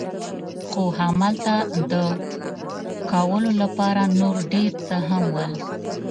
خو همالته د کولو لپاره نور ډېر څه هم ول.